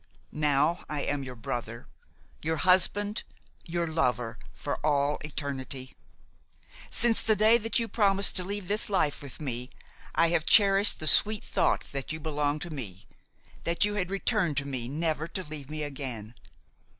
Now I am your brother, your husband, your lover for all eternity. Since the day that you promised to leave this life with me, I have cherished the sweet thought that you belonged to me, that you had returned to me never to leave me again.